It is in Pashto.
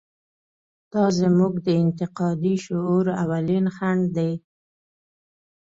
دا زموږ د انتقادي شعور اولین خنډ دی.